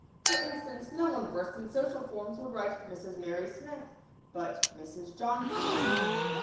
For instance, no one versed in social forms would write "Mrs. Mary Smith," but "Mrs. John Smith."